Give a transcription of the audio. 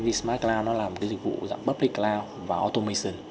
vnpt smart cloud là một dịch vụ dạng public cloud và automation